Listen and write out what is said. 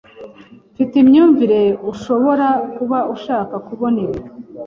Mfite imyumvire ushobora kuba ushaka kubona ibi.